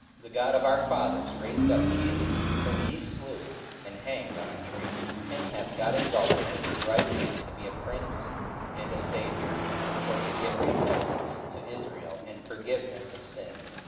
44:005:030 The God of our fathers raised up Jesus, whom ye slew and hanged on a tree. 44:005:031 Him hath God exalted with his right hand to be a Prince and a Saviour, for to give repentance to Israel, and forgiveness of sins.